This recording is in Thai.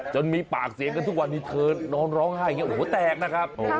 มีปากเสียงกันทุกวันนี้เธอนอนร้องไห้อย่างนี้โอ้โหแตกนะครับ